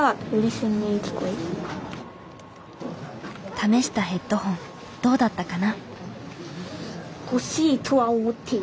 試したヘッドホンどうだったかな？